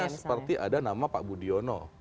seperti ada nama pak budiono